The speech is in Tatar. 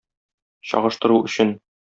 Чагыштыру өчен.